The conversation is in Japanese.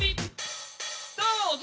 どうぞ！